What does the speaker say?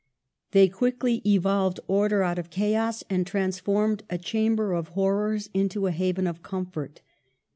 They quickly evolved order out of chaos, and transformed a chamber of horrors into a haven of comfort.